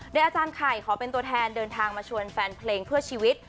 โดยอาจารย์ไข่ขอเป็นตัวแทนเดินทางมาชวนแฟนเพลงเพื่อชีวิต